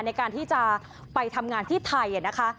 ในการที่จะไปทำงานที่ไทยนะคะ